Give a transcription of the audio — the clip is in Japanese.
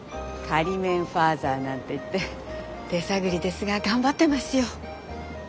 仮免ファーザーなんて言って手探りですが頑張ってますよ。